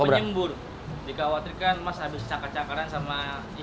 dikawalkan mas habis cakar cakaran sama istri